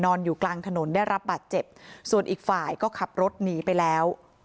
อยู่กลางถนนได้รับบาดเจ็บส่วนอีกฝ่ายก็ขับรถหนีไปแล้ว